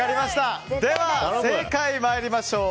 では、正解まいりましょう。